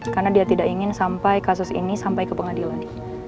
karena dia tidak ingin sampai kasus ini sampai ke pengadilan